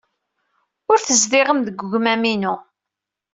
Ur tezdiɣem deg wegmam-inu.